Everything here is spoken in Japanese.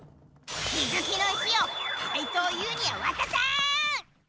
きづきのいしをかいとうＵにはわたさん！